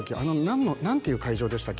「何ていう会場でしたっけ？」